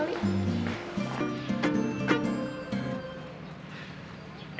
mungkin buat gue kali ya